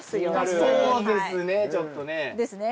そうですねちょっとね。ですね。